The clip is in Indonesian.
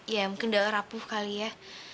ya mungkin udah rapuh kali ya